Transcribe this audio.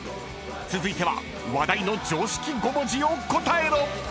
［続いては話題の常識５文字を答えろ！］